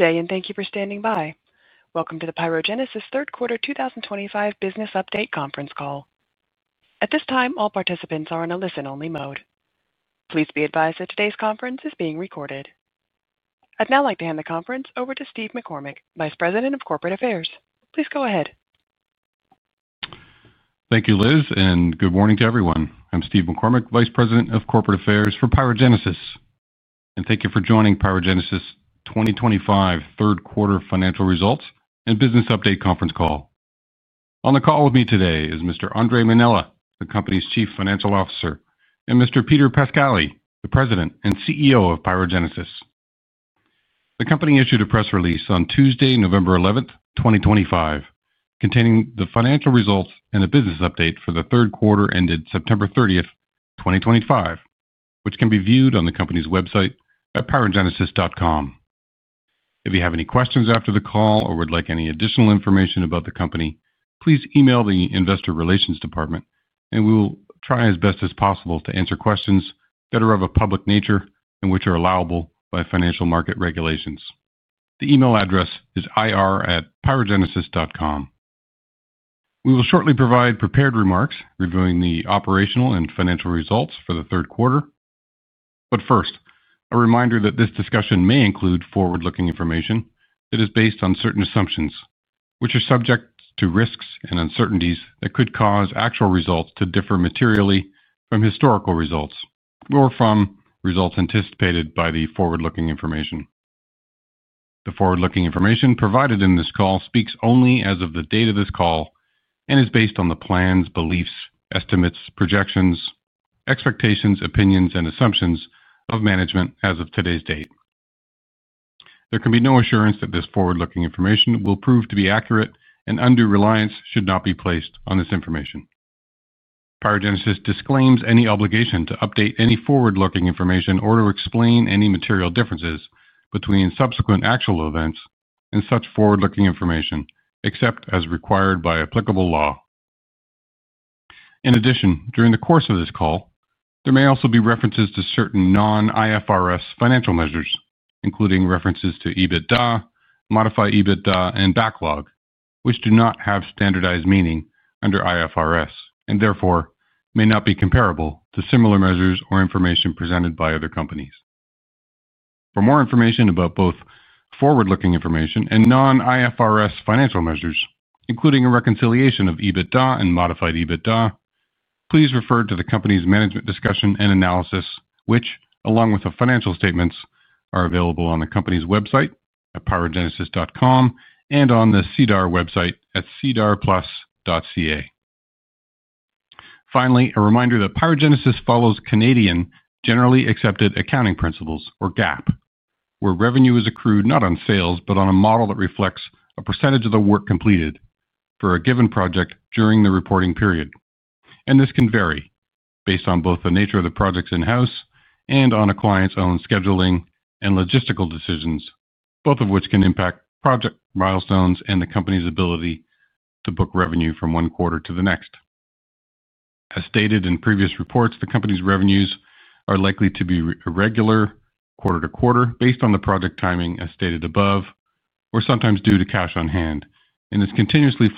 Today, and thank you for standing by. Welcome to the PyroGenesis Third Quarter 2025 Business Update Conference Call. At this time, all participants are in a listen-only mode. Please be advised that today's conference is being recorded. I'd now like to hand the conference over to Steve McCormick, Vice President of Corporate Affairs. Please go ahead. Thank you, Liz, and good morning to everyone. I'm Steve McCormick, Vice President of Corporate Affairs for PyroGenesis, and thank you for joining PyroGenesis 2025 Third Quarter Financial Results and Business Update Conference Call. On the call with me today is Mr. Andre Mainella, the company's Chief Financial Officer, and Mr. Peter Pascali, the President and CEO of PyroGenesis. The company issued a press release on Tuesday, November 11th, 2025, containing the financial results and a business update for the third quarter ended September 30th, 2025, which can be viewed on the company's website at pyrogenesis.com. If you have any questions after the call or would like any additional information about the company, please email the Investor Relations Department, and we will try as best as possible to answer questions that are of a public nature and which are allowable by financial market regulations. The email address is ir@pyrogenesis.com. We will shortly provide prepared remarks reviewing the operational and financial results for the third quarter. First, a reminder that this discussion may include forward-looking information that is based on certain assumptions, which are subject to risks and uncertainties that could cause actual results to differ materially from historical results or from results anticipated by the forward-looking information. The forward-looking information provided in this call speaks only as of the date of this call and is based on the plans, beliefs, estimates, projections, expectations, opinions, and assumptions of management as of today's date. There can be no assurance that this forward-looking information will prove to be accurate, and undue reliance should not be placed on this information. PyroGenesis disclaims any obligation to update any forward-looking information or to explain any material differences between subsequent actual events and such forward-looking information, except as required by applicable law. In addition, during the course of this call, there may also be references to certain non-IFRS financial measures, including references to EBITDA, modified EBITDA, and backlog, which do not have standardized meaning under IFRS and therefore may not be comparable to similar measures or information presented by other companies. For more information about both forward-looking information and non-IFRS financial measures, including a reconciliation of EBITDA and modified EBITDA, please refer to the company's management discussion and analysis, which, along with the financial statements, are available on the company's website at pyrogenesis.com and on the CDAR website at cdarplus.ca. Finally, a reminder that PyroGenesis follows Canadian Generally Accepted Accounting Principles, or GAAP, where revenue is accrued not on sales but on a model that reflects a percentage of the work completed for a given project during the reporting period. This can vary based on both the nature of the projects in-house and on a client's own scheduling and logistical decisions, both of which can impact project milestones and the company's ability to book revenue from one quarter to the next. As stated in previous reports, the company's revenues are likely to be irregular quarter to quarter based on the project timing as stated above, or sometimes due to cash on hand. In this continuously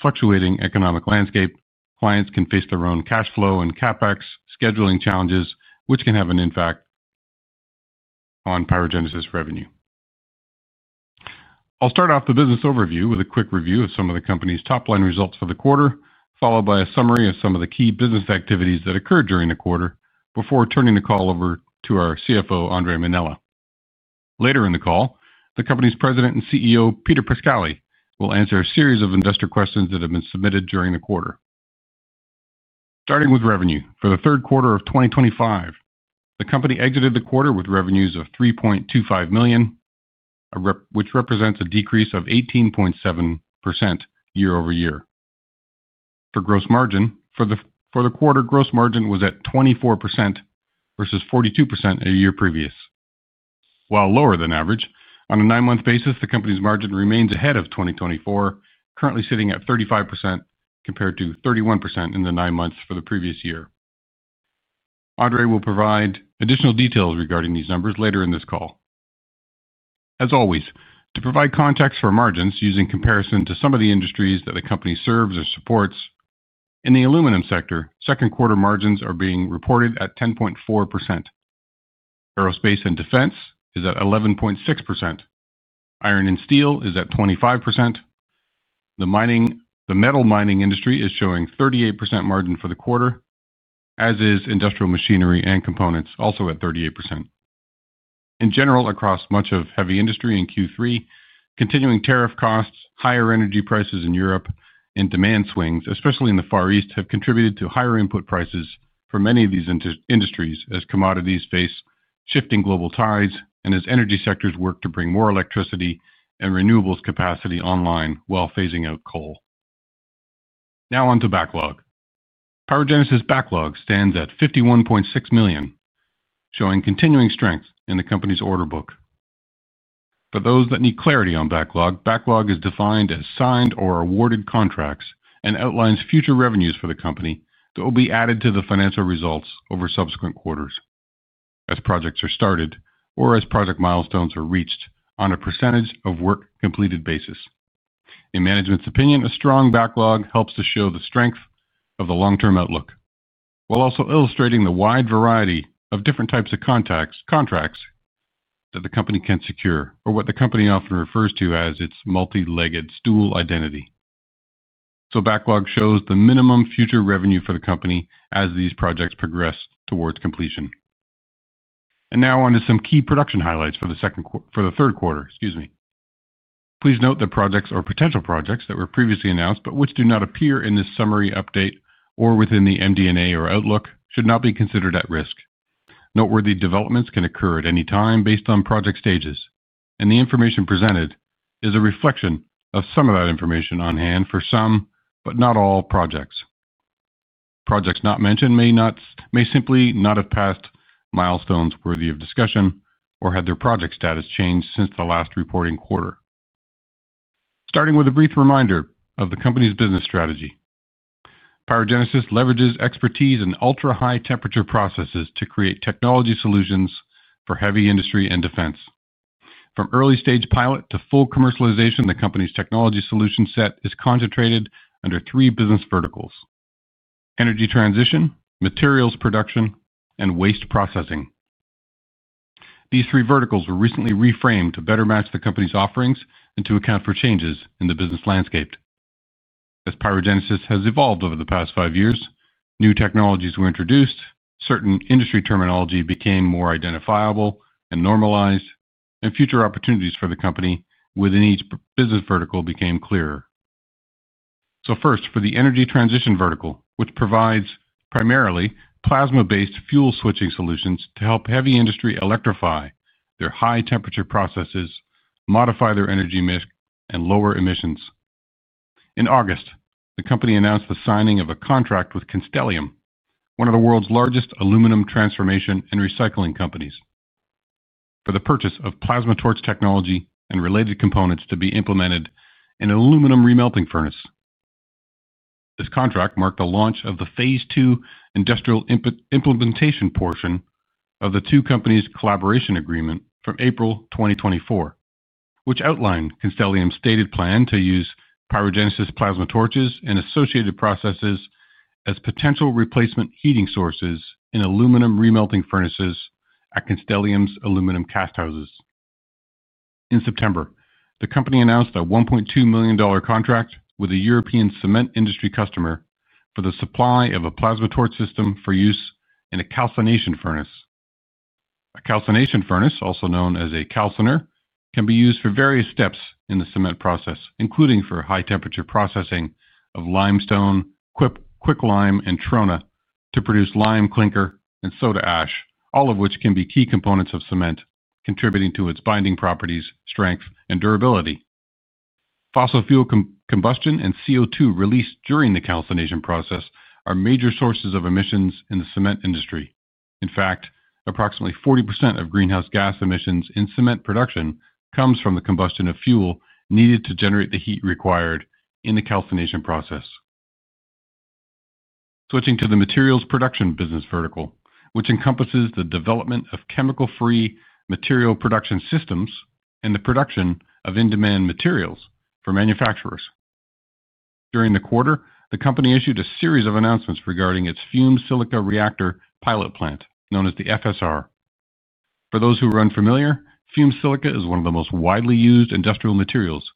fluctuating economic landscape, clients can face their own cash flow and CapEx scheduling challenges, which can have an impact on PyroGenesis revenue. I'll start off the business overview with a quick review of some of the company's top line results for the quarter, followed by a summary of some of the key business activities that occurred during the quarter before turning the call over to our CFO, Andre Mainella. Later in the call, the company's President and CEO, Peter Pascali, will answer a series of investor questions that have been submitted during the quarter. Starting with revenue, for the third quarter of 2025, the company exited the quarter with revenues of $3.25 million, which represents a decrease of 18.7% year-over-year. For gross margin, for the quarter, gross margin was at 24% versus 42% a year previous. While lower than average, on a nine-month basis, the company's margin remains ahead of 2024, currently sitting at 35% compared to 31% in the nine months for the previous year. Andre will provide additional details regarding these numbers later in this call. As always, to provide context for margins using comparison to some of the industries that the company serves or supports, in the aluminum sector, second quarter margins are being reported at 10.4%. Aerospace and defense is at 11.6%. Iron and steel is at 25%. The metal mining industry is showing 38% margin for the quarter, as is industrial machinery and components, also at 38%. In general, across much of heavy industry in Q3, continuing tariff costs, higher energy prices in Europe, and demand swings, especially in the Far East, have contributed to higher input prices for many of these industries as commodities face shifting global tides and as energy sectors work to bring more electricity and renewables capacity online while phasing out coal. Now on to backlog. PyroGenesis backlog stands at $51.6 million, showing continuing strength in the company's order book. For those that need clarity on backlog, backlog is defined as signed or awarded contracts and outlines future revenues for the company that will be added to the financial results over subsequent quarters, as projects are started or as project milestones are reached on a percentage of work completed basis. In management's opinion, a strong backlog helps to show the strength of the long-term outlook, while also illustrating the wide variety of different types of contracts that the company can secure, or what the company often refers to as its multi-legged stool identity. Backlog shows the minimum future revenue for the company as these projects progress towards completion. Now on to some key production highlights for the third quarter. Please note that projects or potential projects that were previously announced but which do not appear in this summary update or within the MD&A or Outlook should not be considered at risk. Noteworthy developments can occur at any time based on project stages, and the information presented is a reflection of some of that information on hand for some, but not all, projects. Projects not mentioned may simply not have passed milestones worthy of discussion or had their project status changed since the last reporting quarter. Starting with a brief reminder of the company's business strategy, PyroGenesis leverages expertise in ultra-high temperature processes to create technology solutions for heavy industry and defense. From early-stage pilot to full commercialization, the company's technology solution set is concentrated under three business verticals: energy transition, materials production, and waste processing. These three verticals were recently reframed to better match the company's offerings and to account for changes in the business landscape. As PyroGenesis has evolved over the past five years, new technologies were introduced, certain industry terminology became more identifiable and normalized, and future opportunities for the company within each business vertical became clearer. First, for the energy transition vertical, which provides primarily plasma-based fuel switching solutions to help heavy industry electrify their high-temperature processes, modify their energy mix, and lower emissions. In August, the company announced the signing of a contract with Constellium, one of the world's largest aluminum transformation and recycling companies, for the purchase of plasma torch technology and related components to be implemented in an aluminum remelting furnace. This contract marked the launch of the phase two industrial implementation portion of the two companies' collaboration agreement from April 2024, which outlined Constellium's stated plan to use PyroGenesis plasma torches and associated processes as potential replacement heating sources in aluminum remelting furnaces at Constellium's aluminum cast houses. In September, the company announced a $1.2 million contract with a European cement industry customer for the supply of a plasma torch system for use in a calcination furnace. A calcination furnace, also known as a calciner, can be used for various steps in the cement process, including for high-temperature processing of limestone, quick lime, and trona to produce lime, clinker, and soda ash, all of which can be key components of cement, contributing to its binding properties, strength, and durability. Fossil fuel combustion and CO2 released during the calcination process are major sources of emissions in the cement industry. In fact, approximately 40% of greenhouse gas emissions in cement production comes from the combustion of fuel needed to generate the heat required in the calcination process. Switching to the materials production business vertical, which encompasses the development of chemical-free material production systems and the production of in-demand materials for manufacturers. During the quarter, the company issued a series of announcements regarding its fume silica reactor pilot plant, known as the FSR. For those who are unfamiliar, fume silica is one of the most widely used industrial materials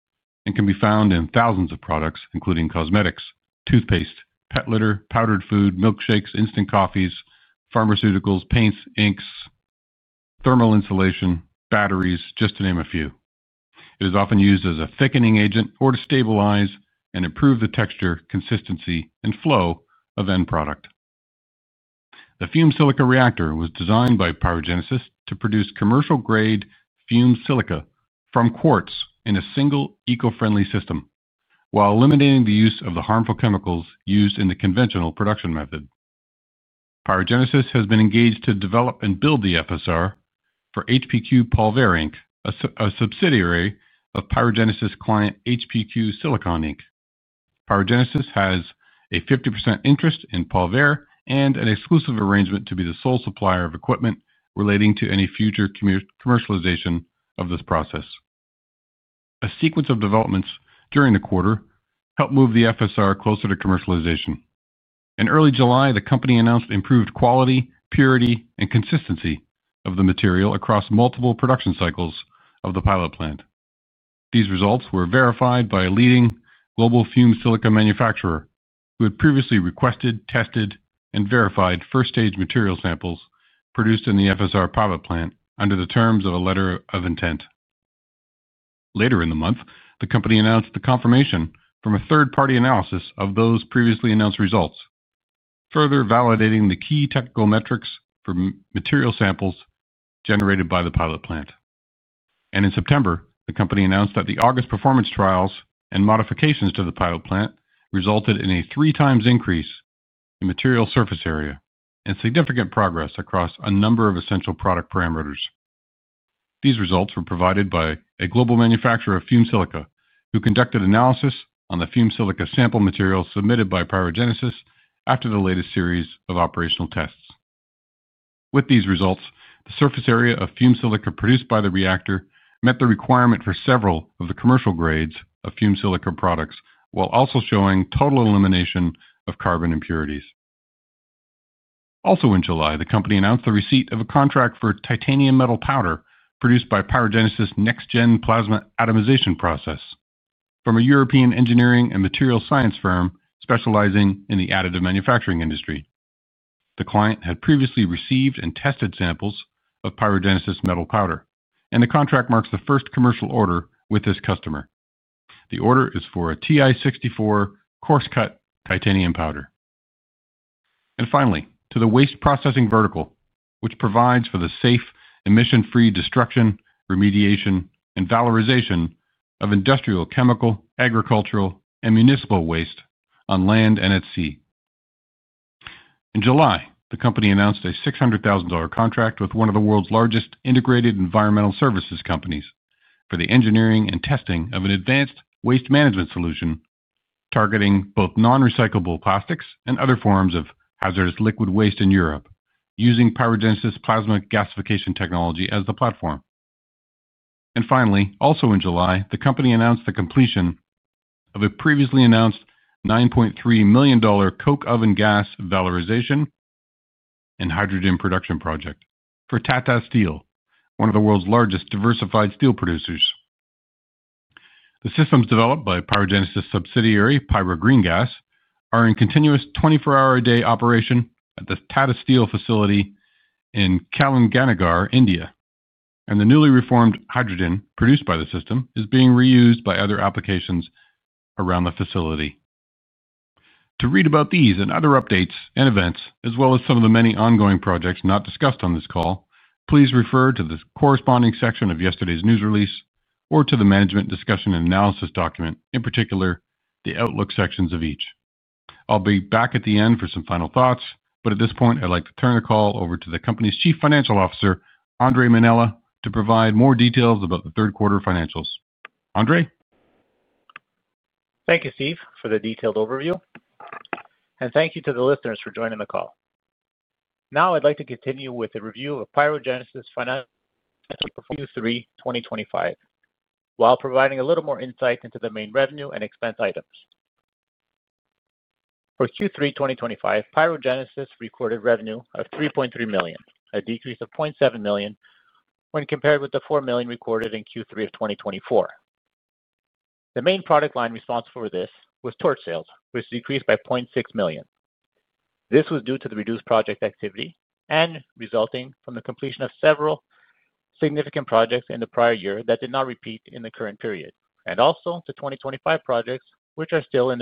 and can be found in thousands of products, including cosmetics, toothpaste, pet litter, powdered food, milkshakes, instant coffees, pharmaceuticals, paints, inks, thermal insulation, batteries, just to name a few. It is often used as a thickening agent or to stabilize and improve the texture, consistency, and flow of end product. The fume silica reactor was designed by PyroGenesis to produce commercial-grade fume silica from quartz in a single eco-friendly system, while eliminating the use of the harmful chemicals used in the conventional production method. PyroGenesis has been engaged to develop and build the FSR for HPQ Polver Inc., a subsidiary of PyroGenesis' client HPQ Silicon Inc. PyroGenesis has a 50% interest in Polver and an exclusive arrangement to be the sole supplier of equipment relating to any future commercialization of this process. A sequence of developments during the quarter helped move the FSR closer to commercialization. In early July, the company announced improved quality, purity, and consistency of the material across multiple production cycles of the pilot plant. These results were verified by a leading global fume silica manufacturer who had previously requested, tested, and verified first-stage material samples produced in the FSR pilot plant under the terms of a letter of intent. Later in the month, the company announced the confirmation from a third-party analysis of those previously announced results, further validating the key technical metrics for material samples generated by the pilot plant. In September, the company announced that the August performance trials and modifications to the pilot plant resulted in a three-times increase in material surface area and significant progress across a number of essential product parameters. These results were provided by a global manufacturer of fume silica who conducted analysis on the fume silica sample material submitted by PyroGenesis after the latest series of operational tests. With these results, the surface area of fume silica produced by the reactor met the requirement for several of the commercial grades of fume silica products while also showing total elimination of carbon impurities. Also in July, the company announced the receipt of a contract for titanium metal powder produced by PyroGenesis' next-gen plasma atomization process from a European engineering and materials science firm specializing in the additive manufacturing industry. The client had previously received and tested samples of PyroGenesis' metal powder, and the contract marks the first commercial order with this customer. The order is for a TI64 coarse-cut titanium powder. Finally, to the waste processing vertical, which provides for the safe, emission-free destruction, remediation, and valorization of industrial, chemical, agricultural, and municipal waste on land and at sea. In July, the company announced a $600,000 contract with one of the world's largest integrated environmental services companies for the engineering and testing of an advanced waste management solution targeting both non-recyclable plastics and other forms of hazardous liquid waste in Europe, using PyroGenesis' plasma gasification technology as the platform. Finally, also in July, the company announced the completion of a previously announced $9.3 million coke oven gas valorization and hydrogen production project for Tata Steel, one of the world's largest diversified steel producers. The systems developed by PyroGenesis' subsidiary, Pyro Green-Gas, are in continuous 24-hour-a-day operation at the Tata Steel facility in Kalinganagar, India, and the newly reformed hydrogen produced by the system is being reused by other applications around the facility. To read about these and other updates and events, as well as some of the many ongoing projects not discussed on this call, please refer to the corresponding section of yesterday's news release or to the management discussion and analysis document, in particular the Outlook sections of each. I'll be back at the end for some final thoughts, but at this point, I'd like to turn the call over to the company's Chief Financial Officer, Andre Mainella, to provide more details about the third quarter financials. Andre? Thank you, Steve, for the detailed overview. And thank you to the listeners for joining the call. Now I'd like to continue with a review of PyroGenesis' financials for Q3 2025 while providing a little more insight into the main revenue and expense items. For Q3 2025, PyroGenesis recorded revenue of $3.3 million, a decrease of $0.7 million when compared with the $4 million recorded in Q3 of 2024. The main product line responsible for this was torch sales, which decreased by $0.6 million. This was due to the reduced project activity and resulting from the completion of several significant projects in the prior year that did not repeat in the current period, and also the 2025 projects, which are still in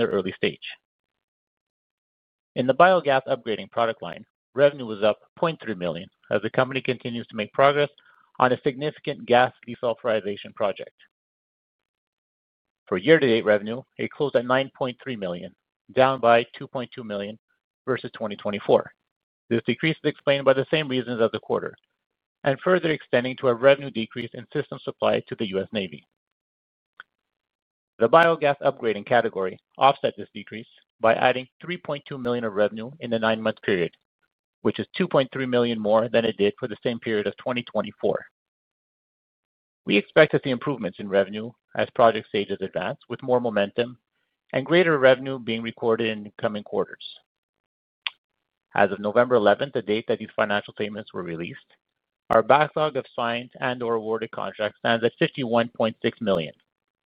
their early stage. In the biogas upgrading product line, revenue was up $0.3 million as the company continues to make progress on a significant gas desulfurization project. For year-to-date revenue, it closed at $9.3 million, down by $2.2 million versus 2024. This decrease is explained by the same reasons as the quarter, and further extending to a revenue decrease in systems supply to the U.S. Navy. The biogas upgrading category offset this decrease by adding $3.2 million of revenue in the nine-month period, which is $2.3 million more than it did for the same period of 2024. We expect that the improvements in revenue as project stages advance with more momentum and greater revenue being recorded in the coming quarters. As of November 11, the date that these financial statements were released, our backlog of signed and/or awarded contracts stands at $51.6 million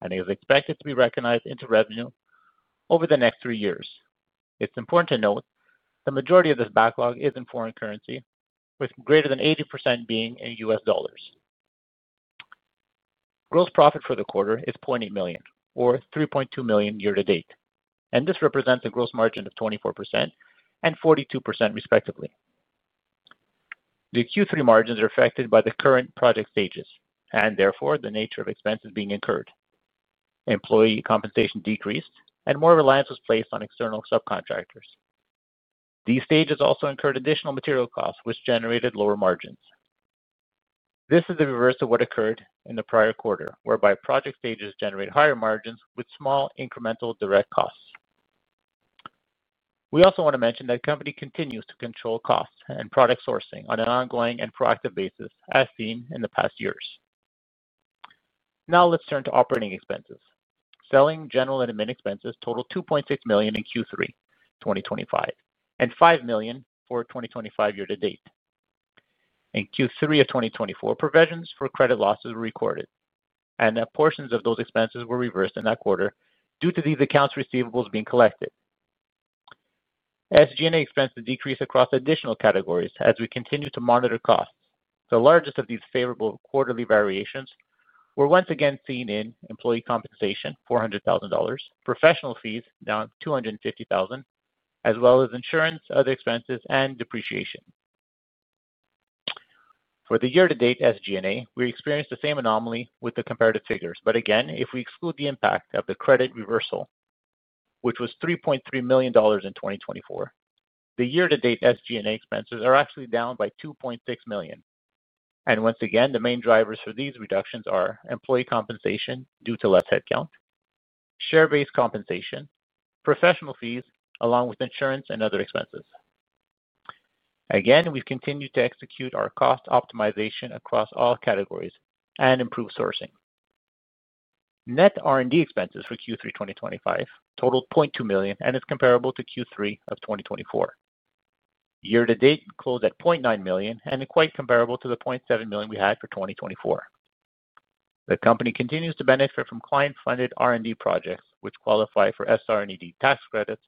and is expected to be recognized into revenue over the next three years. It's important to note the majority of this backlog is in foreign currency, with greater than 80% being in U.S. dollars. Gross profit for the quarter is $0.8 million, or $3.2 million year-to-date, and this represents a gross margin of 24% and 42%, respectively. The Q3 margins are affected by the current project stages and, therefore, the nature of expenses being incurred. Employee compensation decreased, and more reliance was placed on external subcontractors. These stages also incurred additional material costs, which generated lower margins. This is the reverse of what occurred in the prior quarter, whereby project stages generate higher margins with small incremental direct costs. We also want to mention that the company continues to control costs and product sourcing on an ongoing and proactive basis, as seen in the past years. Now let's turn to operating expenses. Selling, general, and admin expenses totaled $2.6 million in Q3 2025 and $5 million for 2025 year-to-date. In Q3 of 2024, provisions for credit losses were recorded, and that portions of those expenses were reversed in that quarter due to these accounts receivables being collected. SG&A expenses decreased across additional categories as we continue to monitor costs. The largest of these favorable quarterly variations were once again seen in employee compensation, $400,000, professional fees down $250,000, as well as insurance, other expenses, and depreciation. For the year-to-date SG&A, we experienced the same anomaly with the comparative figures. If we exclude the impact of the credit reversal, which was $3.3 million in 2024, the year-to-date SG&A expenses are actually down by $2.6 million. Once again, the main drivers for these reductions are employee compensation due to less headcount, share-based compensation, professional fees, along with insurance and other expenses. We've continued to execute our cost optimization across all categories and improve sourcing. Net R&D expenses for Q3 2025 totaled $0.2 million and is comparable to Q3 of 2024. Year-to-date closed at $0.9 million and is quite comparable to the $0.7 million we had for 2024. The company continues to benefit from client-funded R&D projects, which qualify for SR&ED tax credits,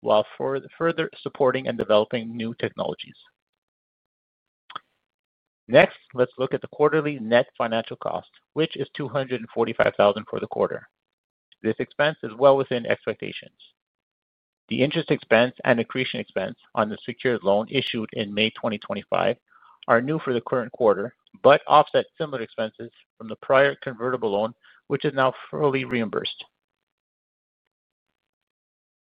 while further supporting and developing new technologies. Next, let's look at the quarterly net financial cost, which is $245,000 for the quarter. This expense is well within expectations. The interest expense and accretion expense on the secured loan issued in May 2025 are new for the current quarter, but offset similar expenses from the prior convertible loan, which is now fully reimbursed.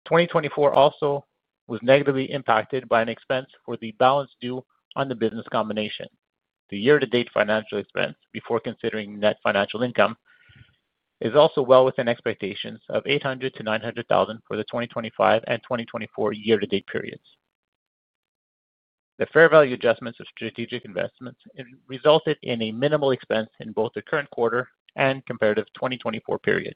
2024 also was negatively impacted by an expense for the balance due on the business combination. The year-to-date financial expense, before considering net financial income, is also well within expectations of $800,000-$900,000 for the 2025 and 2024 year-to-date periods. The fair value adjustments of strategic investments resulted in a minimal expense in both the current quarter and comparative 2024 period.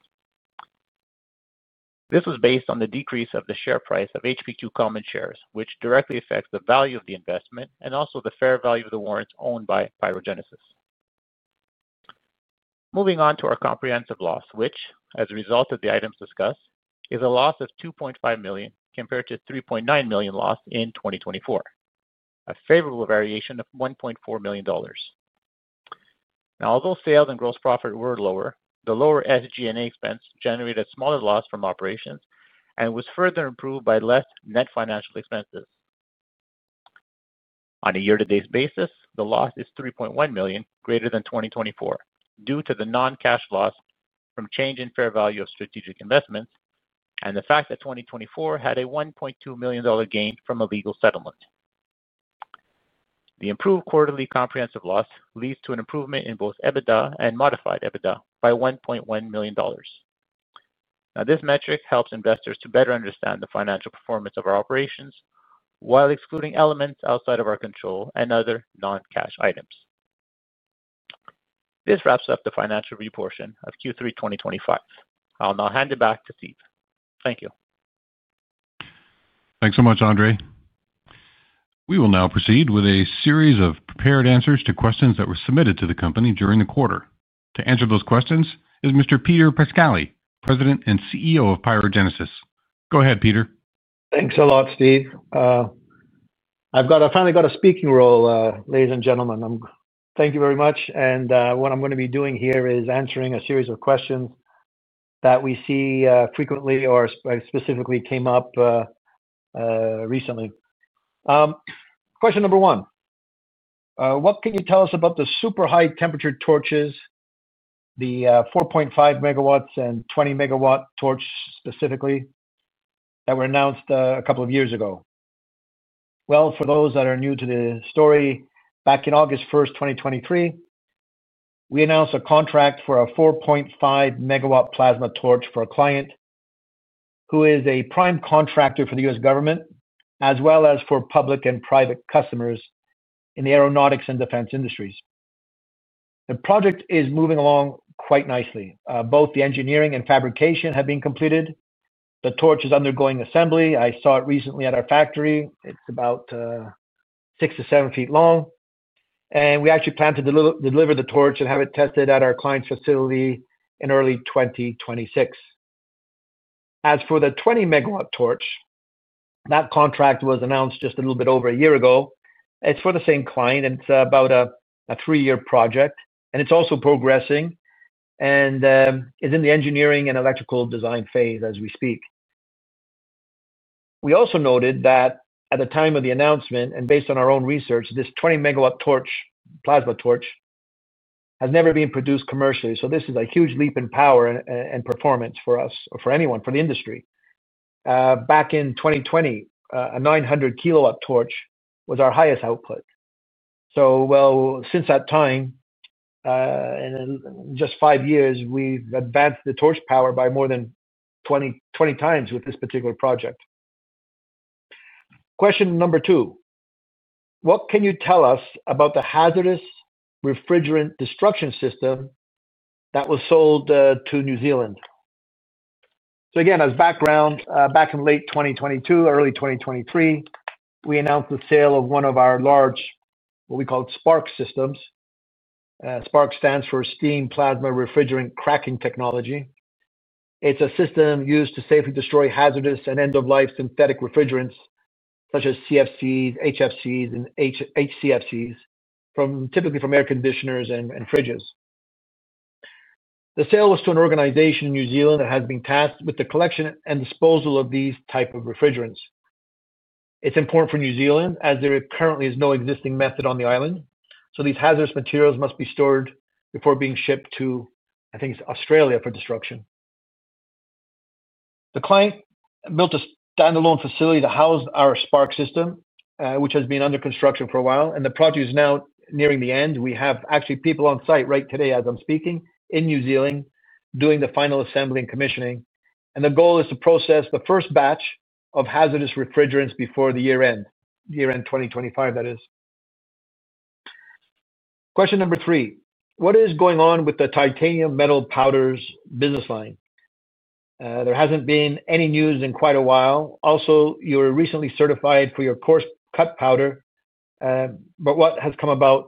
This was based on the decrease of the share price of HPQ Common Shares, which directly affects the value of the investment and also the fair value of the warrants owned by PyroGenesis. Moving on to our comprehensive loss, which, as a result of the items discussed, is a loss of $2.5 million compared to $3.9 million loss in 2024, a favorable variation of $1.4 million. Now, although sales and gross profit were lower, the lower SG&A expense generated smaller loss from operations and was further improved by less net financial expenses. On a year-to-date basis, the loss is $3.1 million, greater than 2024, due to the non-cash loss from change in fair value of strategic investments and the fact that 2024 had a $1.2 million gain from a legal settlement. The improved quarterly comprehensive loss leads to an improvement in both EBITDA and modified EBITDA by $1.1 million. Now, this metric helps investors to better understand the financial performance of our operations while excluding elements outside of our control and other non-cash items. This wraps up the financial review portion of Q3 2025. I'll now hand it back to Steve. Thank you. Thanks so much, Andre. We will now proceed with a series of prepared answers to questions that were submitted to the company during the quarter. To answer those questions is Mr. Peter Pascali, President and CEO of PyroGenesis. Go ahead, Peter. Thanks a lot, Steve. I've finally got a speaking role, ladies and gentlemen. Thank you very much. What I'm going to be doing here is answering a series of questions that we see frequently or specifically came up recently. Question number one, what can you tell us about the super high temperature torches, the 4.5 megawatts and 20 megawatt torch specifically that were announced a couple of years ago? For those that are new to the story, back on August 1, 2023, we announced a contract for a 4.5 MW plasma torch for a client who is a prime contractor for the U.S. government, as well as for public and private customers in the aeronautics and defense industries. The project is moving along quite nicely. Both the engineering and fabrication have been completed. The torch is undergoing assembly. I saw it recently at our factory. It's about six to seven feet long. We actually plan to deliver the torch and have it tested at our client's facility in early 2026. As for the 20 MW torch, that contract was announced just a little bit over a year ago. It's for the same client. It's about a three-year project, and it's also progressing and is in the engineering and electrical design phase as we speak. We also noted that at the time of the announcement, and based on our own research, this 20 MW plasma torch has never been produced commercially. This is a huge leap in power and performance for us, or for anyone, for the industry. Back in 2020, a 900 kW torch was our highest output. Since that time, in just five years, we've advanced the torch power by more than 20 times with this particular project. Question number two, what can you tell us about the hazardous refrigerant destruction system that was sold to New Zealand? Again, as background, back in late 2022, early 2023, we announced the sale of one of our large, what we call SPARC systems. SPARC stands for Steam Plasma Refrigerant Cracking Technology. It's a system used to safely destroy hazardous and end-of-life synthetic refrigerants such as CFCs, HFCs, and HCFCs, typically from air conditioners and fridges. The sale was to an organization in New Zealand that has been tasked with the collection and disposal of these types of refrigerants. It's important for New Zealand as there currently is no existing method on the island. These hazardous materials must be stored before being shipped to, I think it's Australia, for destruction. The client built a standalone facility to house our SPARC system, which has been under construction for a while, and the project is now nearing the end. We have actually people on site right today as I'm speaking in New Zealand doing the final assembly and commissioning. The goal is to process the first batch of hazardous refrigerants before the year-end, year-end 2025, that is. Question number three, what is going on with the titanium metal powders business line? There hasn't been any news in quite a while. Also, you were recently certified for your coarse cut powder, but what has come about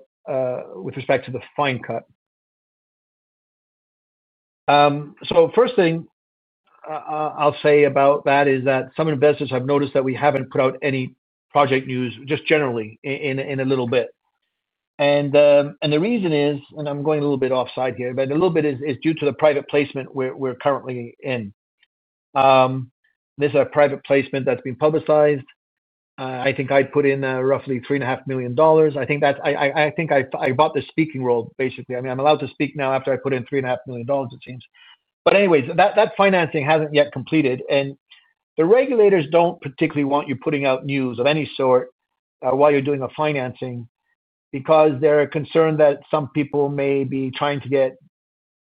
with respect to the fine cut? First thing I'll say about that is that some investors have noticed that we haven't put out any project news just generally in a little bit. The reason is, and I'm going a little bit off-side here, but a little bit is due to the private placement we're currently in. This is a private placement that's been publicized. I think I put in roughly $3.5 million. I think I bought the speaking role, basically. I mean, I'm allowed to speak now after I put in $3.5 million, it seems. Anyways, that financing hasn't yet completed. The regulators do not particularly want you putting out news of any sort while you're doing a financing because they're concerned that some people may be trying to get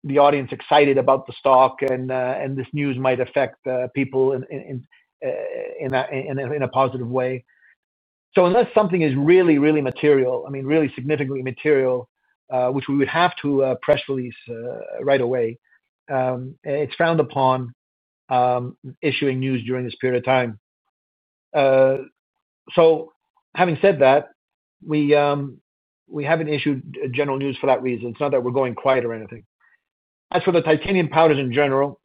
the audience excited about the stock. This news might affect people in a positive way. Unless something is really, really material, I mean, really significantly material, which we would have to press release right away, it's frowned upon issuing news during this period of time. Having said that, we haven't issued general news for that reason. It's not that we're going quiet or anything. As for the titanium powders in general,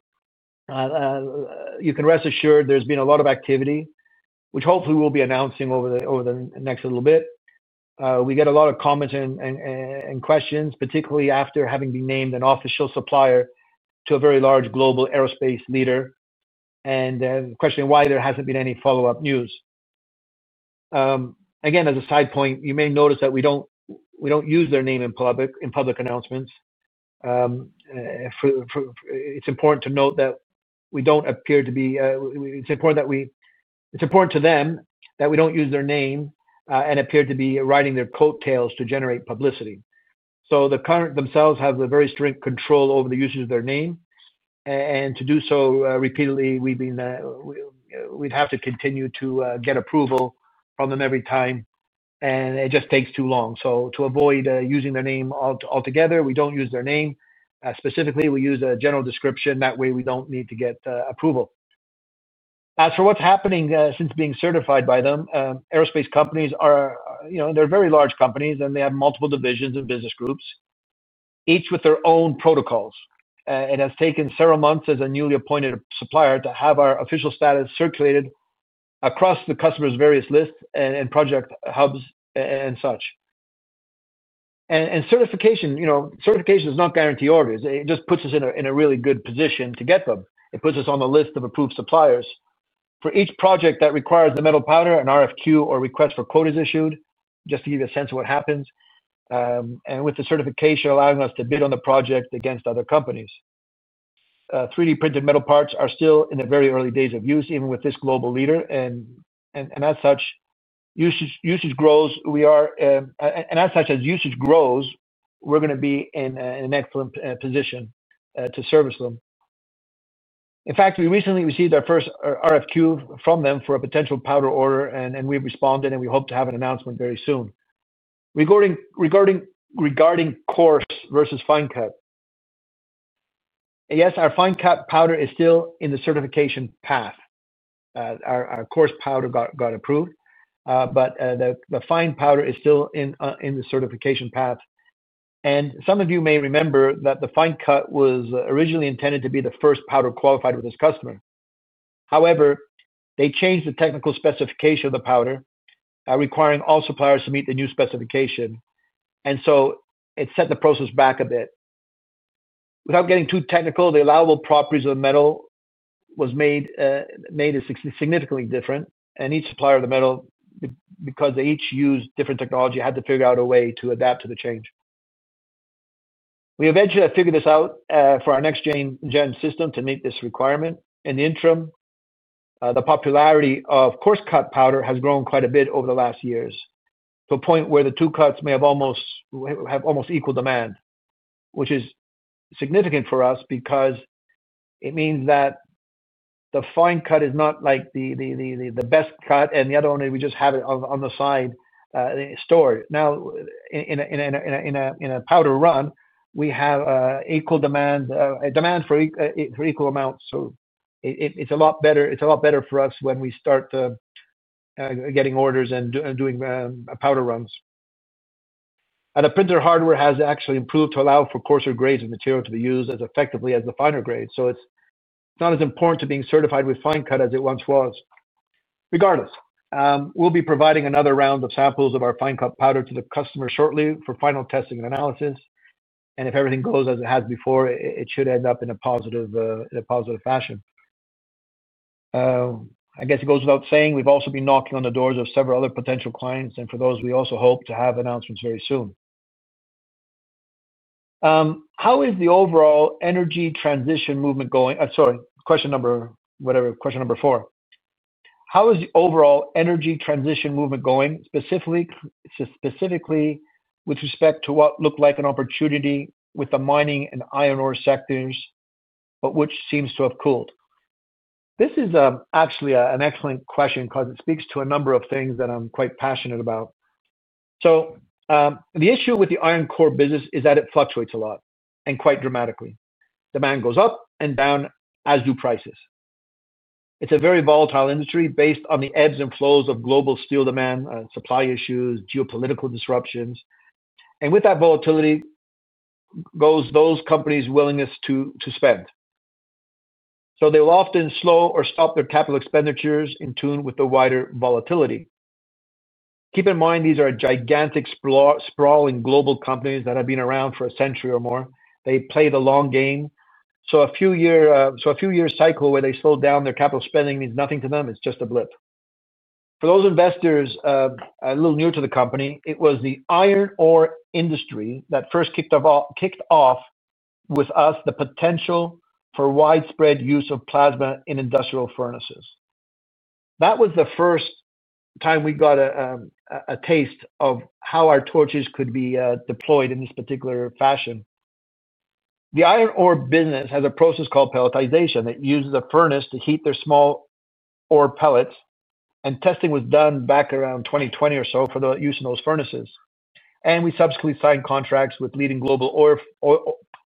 you can rest assured there's been a lot of activity, which hopefully we'll be announcing over the next little bit. We get a lot of comments and questions, particularly after having been named an official supplier to a very large global aerospace leader, and questioning why there hasn't been any follow-up news. Again, as a side point, you may notice that we don't use their name in public announcements. It's important to note that we don't appear to be, it's important to them that we don't use their name and appear to be riding their coattails to generate publicity. The company themselves have a very strict control over the usage of their name. To do so repeatedly, we'd have to continue to get approval from them every time, and it just takes too long. To avoid using their name altogether, we don't use their name. Specifically, we use a general description. That way, we don't need to get approval. As for what's happening since being certified by them, aerospace companies are, they're very large companies, and they have multiple divisions and business groups, each with their own protocols. It has taken several months as a newly appointed supplier to have our official status circulated across the customer's various lists and project hubs and such. Certification is not guaranteed orders. It just puts us in a really good position to get them. It puts us on the list of approved suppliers. For each project that requires the metal powder, an RFQ or request for quote is issued, just to give you a sense of what happens, and with the certification allowing us to bid on the project against other companies. 3D printed metal parts are still in the very early days of use, even with this global leader. As such, as usage grows, we're going to be in an excellent position to service them. In fact, we recently received our first RFQ from them for a potential powder order, and we've responded, and we hope to have an announcement very soon. Regarding coarse versus fine cut, yes, our fine cut powder is still in the certification path. Our coarse powder got approved, but the fine powder is still in the certification path. Some of you may remember that the fine cut was originally intended to be the first powder qualified with this customer. However, they changed the technical specification of the powder, requiring all suppliers to meet the new specification. It set the process back a bit. Without getting too technical, the allowable properties of the metal were made significantly different. Each supplier of the metal, because they each used different technology, had to figure out a way to adapt to the change. We eventually figured this out for our next-gen system to meet this requirement. In the interim, the popularity of coarse cut powder has grown quite a bit over the last years to a point where the two cuts may have almost equal demand, which is significant for us because it means that the fine cut is not like the best cut, and the other only we just have it on the side stored. Now, in a powder run, we have equal demand for equal amounts. It is a lot better for us when we start getting orders and doing powder runs. The printer hardware has actually improved to allow for coarser grades of material to be used as effectively as the finer grade. It is not as important to being certified with fine cut as it once was. Regardless, we will be providing another round of samples of our fine cut powder to the customer shortly for final testing and analysis. If everything goes as it has before, it should end up in a positive fashion. I guess it goes without saying, we've also been knocking on the doors of several other potential clients, and for those, we also hope to have announcements very soon. How is the overall energy transition movement going? Sorry, question number whatever, question number four. How is the overall energy transition movement going, specifically with respect to what looked like an opportunity with the mining and iron ore sectors, but which seems to have cooled? This is actually an excellent question because it speaks to a number of things that I'm quite passionate about. The issue with the iron ore business is that it fluctuates a lot and quite dramatically. Demand goes up and down as do prices. It's a very volatile industry based on the ebbs and flows of global steel demand, supply issues, geopolitical disruptions. With that volatility goes those companies' willingness to spend. They will often slow or stop their capital expenditures in tune with the wider volatility. Keep in mind, these are gigantic sprawling global companies that have been around for a century or more. They play the long game. A few-year cycle where they slow down their capital spending means nothing to them. It's just a blip. For those investors a little new to the company, it was the iron ore industry that first kicked off with us the potential for widespread use of plasma in industrial furnaces. That was the first time we got a taste of how our torches could be deployed in this particular fashion. The iron ore business has a process called pelletization that uses a furnace to heat their small ore pellets. Testing was done back around 2020 or so for the use in those furnaces. We subsequently signed contracts with leading global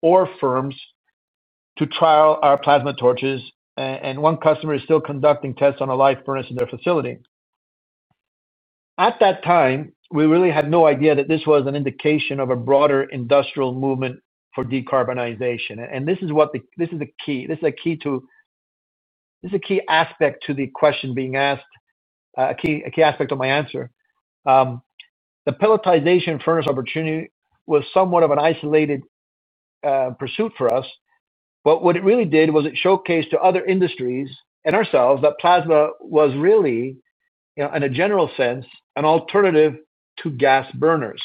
ore firms to trial our plasma torches. One customer is still conducting tests on a live furnace in their facility. At that time, we really had no idea that this was an indication of a broader industrial movement for decarbonization. This is the key. This is a key aspect to the question being asked, a key aspect of my answer. The pelletization furnace opportunity was somewhat of an isolated pursuit for us. What it really did was it showcased to other industries and ourselves that plasma was really, in a general sense, an alternative to gas burners.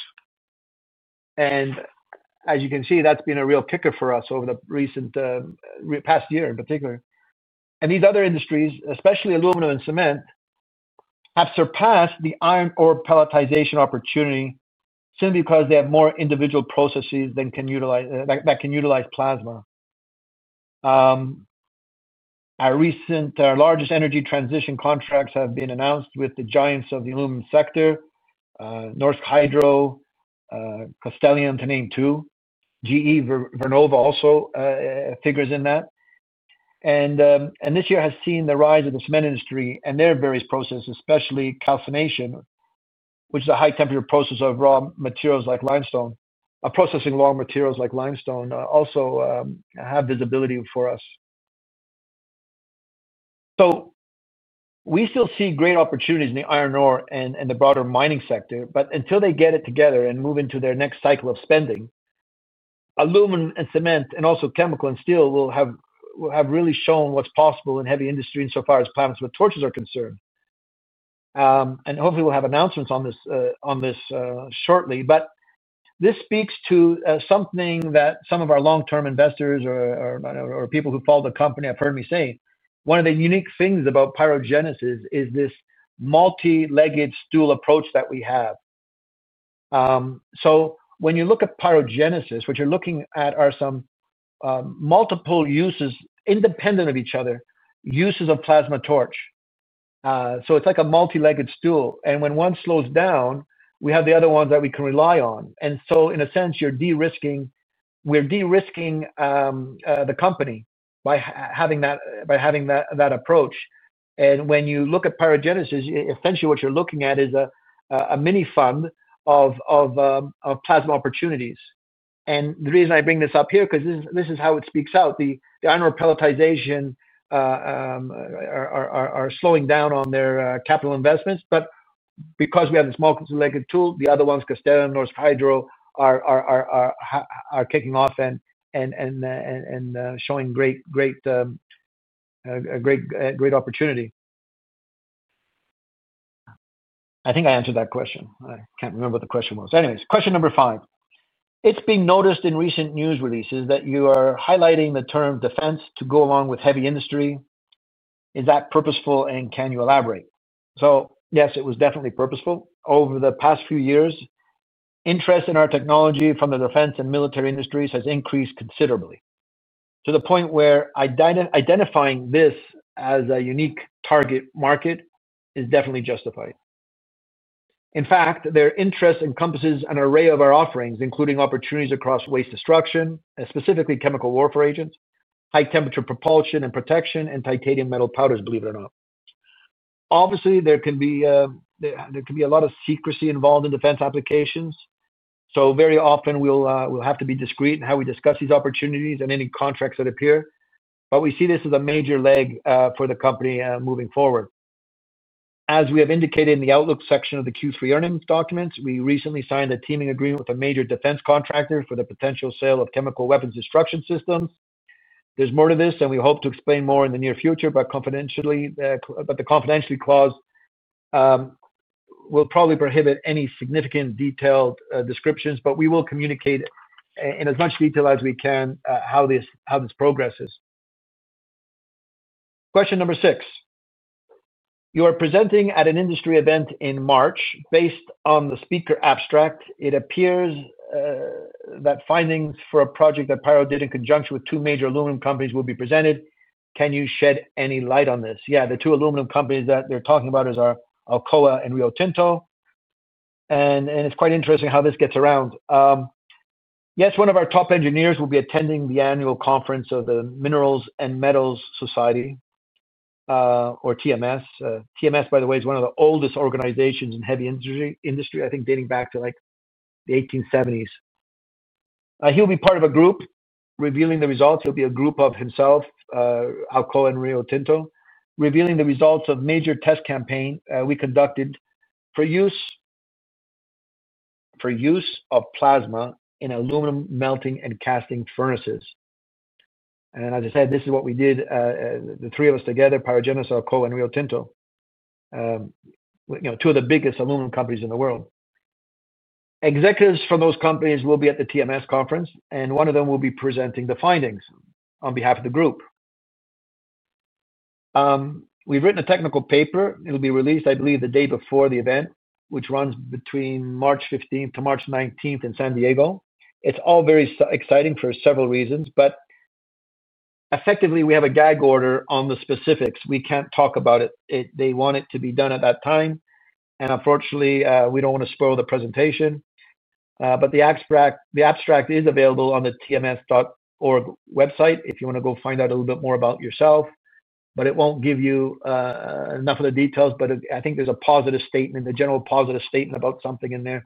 As you can see, that's been a real kicker for us over the past year in particular. These other industries, especially aluminum and cement, have surpassed the iron ore pelletization opportunity simply because they have more individual processes that can utilize plasma. Our largest energy transition contracts have been announced with the giants of the aluminum sector, Norsk Hydro, Constellium to name two, GE Vernova also figures in that. This year has seen the rise of the cement industry and their various processes, especially calcination, which is a high-temperature process of raw materials like limestone. Processing raw materials like limestone also have visibility for us. We still see great opportunities in the iron ore and the broader mining sector, but until they get it together and move into their next cycle of spending, aluminum and cement, and also chemical and steel will have really shown what's possible in heavy industry in so far as plasmas and torches are concerned. Hopefully, we'll have announcements on this shortly. This speaks to something that some of our long-term investors or people who follow the company have heard me say. One of the unique things about PyroGenesis is this multi-legged stool approach that we have. When you look at PyroGenesis, what you're looking at are some multiple uses independent of each other, uses of plasma torch. It's like a multi-legged stool. When one slows down, we have the other ones that we can rely on. In a sense, we're de-risking the company by having that approach. When you look at PyroGenesis, essentially what you're looking at is a mini fund of plasma opportunities. The reason I bring this up here is because this is how it speaks out. The iron ore pelletization are slowing down on their capital investments. Because we have this multi-legged tool, the other ones, Castellium and Norsk Hydro, are kicking off and showing great opportunity. I think I answered that question. I can't remember what the question was. Anyways, question number five. It's been noticed in recent news releases that you are highlighting the term defense to go along with heavy industry. Is that purposeful, and can you elaborate? Yes, it was definitely purposeful. Over the past few years, interest in our technology from the defense and military industries has increased considerably to the point where identifying this as a unique target market is definitely justified. In fact, their interest encompasses an array of our offerings, including opportunities across waste destruction, specifically chemical warfare agents, high-temperature propulsion and protection, and titanium metal powders, believe it or not. Obviously, there can be a lot of secrecy involved in defense applications. Very often, we'll have to be discreet in how we discuss these opportunities and any contracts that appear. We see this as a major leg for the company moving forward. As we have indicated in the outlook section of the Q3 earnings documents, we recently signed a teaming agreement with a major defense contractor for the potential sale of chemical weapons destruction systems. There's more to this, and we hope to explain more in the near future, but the confidentiality clause will probably prohibit any significant detailed descriptions, but we will communicate in as much detail as we can how this progresses. Question number six. You are presenting at an industry event in March. Based on the speaker abstract, it appears that findings for a project that Pyro did in conjunction with two major aluminum companies will be presented. Can you shed any light on this? Yeah, the two aluminum companies that they're talking about are Alcoa and Rio Tinto. It's quite interesting how this gets around. Yes, one of our top engineers will be attending the annual conference of the Minerals and Metals Society, or TMS. TMS, by the way, is one of the oldest organizations in heavy industry, I think dating back to the 1870s. He will be part of a group revealing the results. He'll be a group of himself, Alcoa and Rio Tinto, revealing the results of a major test campaign we conducted for use of plasma in aluminum melting and casting furnaces. As I said, this is what we did, the three of us together, PyroGenesis, Alcoa, and Rio Tinto, two of the biggest aluminum companies in the world. Executives from those companies will be at the TMS conference, and one of them will be presenting the findings on behalf of the group. We've written a technical paper. It'll be released, I believe, the day before the event, which runs between March 15th to March 19th in San Diego. It's all very exciting for several reasons, but effectively, we have a gag order on the specifics. We can't talk about it. They want it to be done at that time. Unfortunately, we do not want to spoil the presentation. The abstract is available on the tms.org website if you want to go find out a little bit more about it yourself. It will not give you enough of the details, but I think there is a positive statement, a general positive statement about something in there.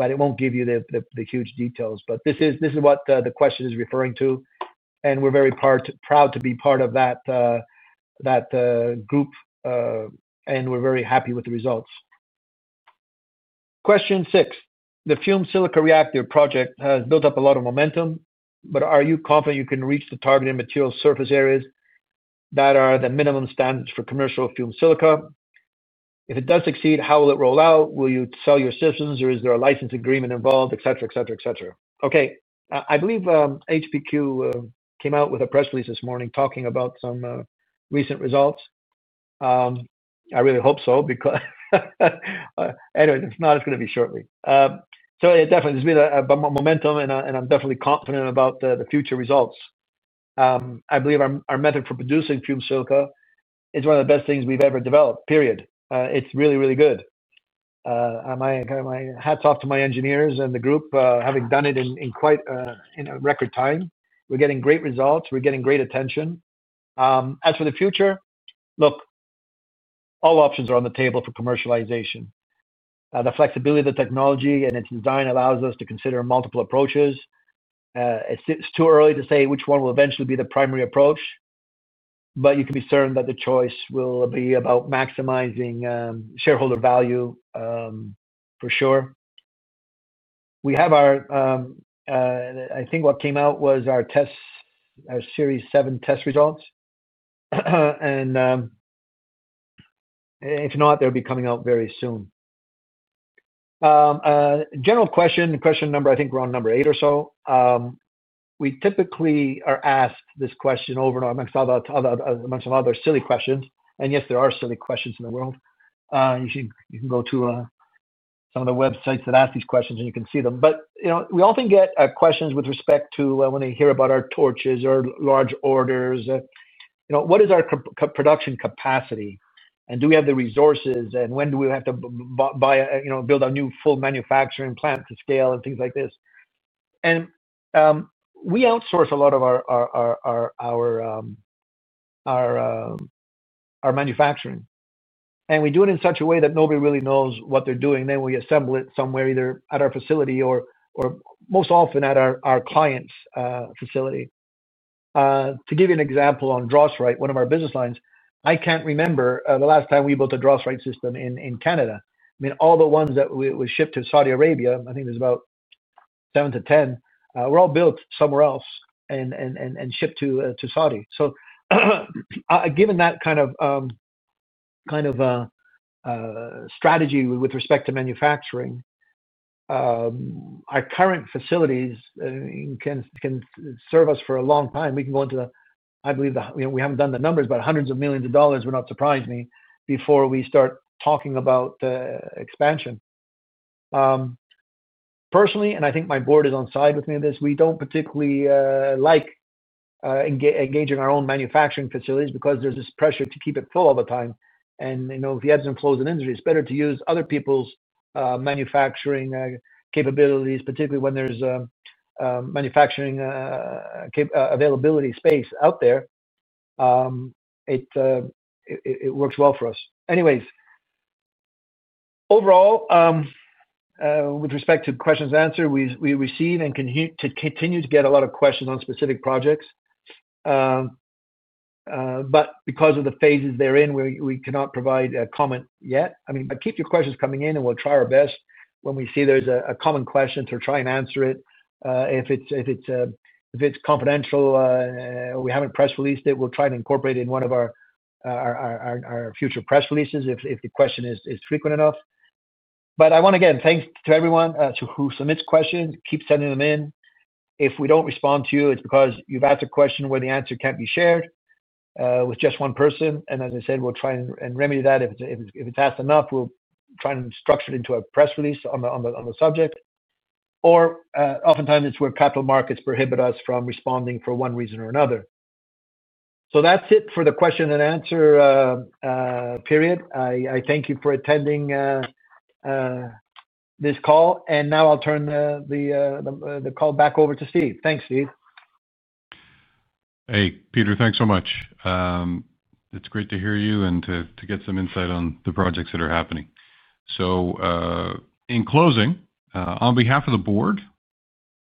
It will not give you the huge details. This is what the question is referring to. We are very proud to be part of that group, and we are very happy with the results. Question six. The fume silica reactor project has built up a lot of momentum, but are you confident you can reach the targeted material surface areas that are the minimum standards for commercial fume silica? If it does succeed, how will it roll out? Will you sell your systems, or is there a license agreement involved, etc., etc., etc.? Okay. I believe HPQ came out with a press release this morning talking about some recent results. I really hope so because anyway, if not, it is going to be shortly. Yeah, definitely, there has been momentum, and I am definitely confident about the future results. I believe our method for producing fume silica is one of the best things we have ever developed, period. It is really, really good. My hats off to my engineers and the group, having done it in quite a record time. We are getting great results. We are getting great attention. As for the future, look, all options are on the table for commercialization. The flexibility of the technology and its design allows us to consider multiple approaches. It is too early to say which one will eventually be the primary approach, but you can be certain that the choice will be about maximizing shareholder value for sure. We have our, I think what came out was our series seven test results. If not, they'll be coming out very soon. General question, question number, I think we're on number eight or so. We typically are asked this question over and over. I'm going to solve a bunch of other silly questions. Yes, there are silly questions in the world. You can go to some of the websites that ask these questions, and you can see them. We often get questions with respect to when they hear about our torches or large orders. What is our production capacity? Do we have the resources? When do we have to build a new full manufacturing plant to scale and things like this? We outsource a lot of our manufacturing. We do it in such a way that nobody really knows what they're doing. We assemble it somewhere, either at our facility or most often at our client's facility. To give you an example on DROSRITE, one of our business lines, I can't remember the last time we built a DROSRITE system in Canada. I mean, all the ones that were shipped to Saudi Arabia, I think there's about 7-10, were all built somewhere else and shipped to Saudi. Given that kind of strategy with respect to manufacturing, our current facilities can serve us for a long time. We can go into the, I believe, we haven't done the numbers, but hundreds of millions of dollars would not surprise me before we start talking about expansion. Personally, and I think my board is on side with me in this, we don't particularly like engaging our own manufacturing facilities because there's this pressure to keep it full all the time. If you have some flows and injuries, it's better to use other people's manufacturing capabilities, particularly when there's manufacturing availability space out there. It works well for us. Anyways, overall, with respect to questions answered, we receive and continue to get a lot of questions on specific projects. Because of the phases they're in, we cannot provide a comment yet. I mean, keep your questions coming in, and we'll try our best. When we see there's a common question, we'll try and answer it. If it's confidential, we haven't press released it, we'll try to incorporate it in one of our future press releases if the question is frequent enough. I want to again thank everyone who submits questions. Keep sending them in. If we don't respond to you, it's because you've asked a question where the answer can't be shared with just one person. As I said, we'll try and remedy that. If it's asked enough, we'll try and structure it into a press release on the subject. Oftentimes, it's where capital markets prohibit us from responding for one reason or another. That's it for the question and answer period. I thank you for attending this call. Now I'll turn the call back over to Steve. Thanks, Steve. Hey, Peter, thanks so much. It's great to hear you and to get some insight on the projects that are happening. In closing, on behalf of the board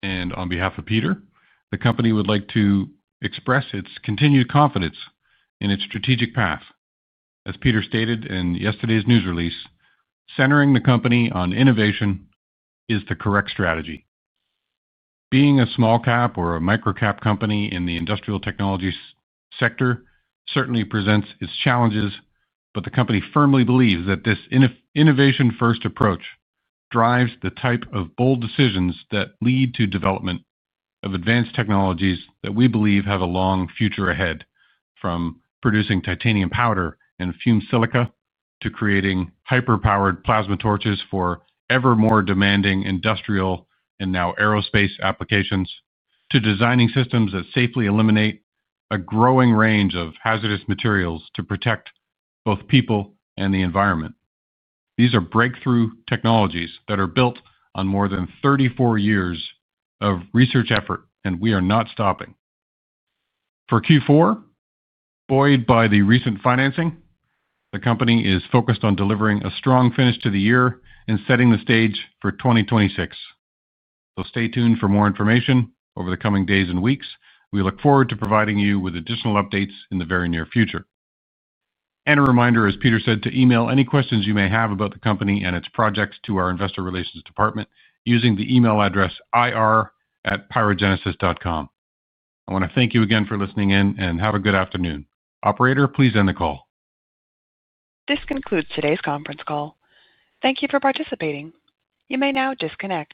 and on behalf of Peter, the company would like to express its continued confidence in its strategic path. As Peter stated in yesterday's news release, centering the company on innovation is the correct strategy. Being a small-cap or a micro-cap company in the industrial technology sector certainly presents its challenges, but the company firmly believes that this innovation-first approach drives the type of bold decisions that lead to development of advanced technologies that we believe have a long future ahead, from producing titanium powder and fume silica to creating hyper-powered plasma torches for ever more demanding industrial and now aerospace applications, to designing systems that safely eliminate a growing range of hazardous materials to protect both people and the environment. These are breakthrough technologies that are built on more than 34 years of research effort, and we are not stopping. For Q4, buoyed by the recent financing, the company is focused on delivering a strong finish to the year and setting the stage for 2026. Stay tuned for more information over the coming days and weeks. We look forward to providing you with additional updates in the very near future. A reminder, as Peter said, to email any questions you may have about the company and its projects to our investor relations department using the email address ir@pyrogenesis.com. I want to thank you again for listening in and have a good afternoon. Operator, please end the call. This concludes today's conference call. Thank you for participating. You may now disconnect.